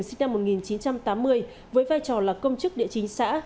sinh năm một nghìn chín trăm tám mươi với vai trò là công chức địa chính xã